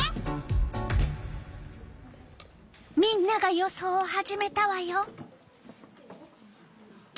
みんなが予想を始めたわよ！